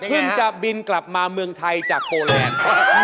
คุณจะบินกลับมาเมืองไทยจากโปแลนด์